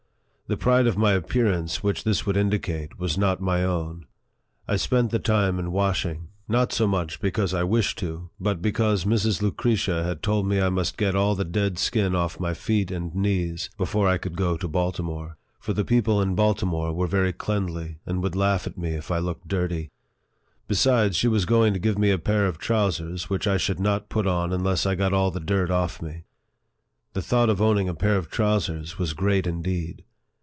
The pride of appearance which this would indicate was not my own. I spent the time in washing, not so 38 NARRATIVE OF THE much because I wished to, but because Mrs. Lucretia had told me I must get all the dead skin off my feet and knees before I could go to Baltimore ; for the people in Baltimore were very cleanly, and would laugh at me if I looked dirty. Besides, she was going to give me a pair of trousers, which I should not put on unless I got all the dirt off me. The thought of owning a pair of trousers was great indeed